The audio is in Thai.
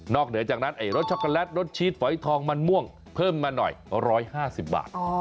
เหนือจากนั้นไอ้รสช็อกโกแลตรสชีสฝอยทองมันม่วงเพิ่มมาหน่อย๑๕๐บาท